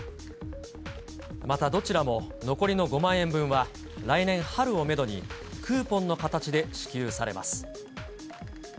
また、どちらも残りの５万円分は、来年春をメドにクーポンの形で支給されます。